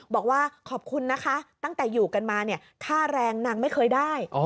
บอกว่าขอบคุณนะคะตั้งแต่อยู่กันมาเนี่ยค่าแรงนางไม่เคยได้